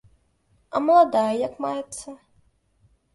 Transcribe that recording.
А маладая як маецца?